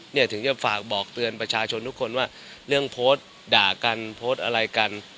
เนี่ยถึงจะฝากบอกเตือนประชาชนทุกคนว่าเรื่องโพสต์ด่ากันโพสต์อะไรกัน